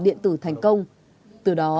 điện tử thành công từ đó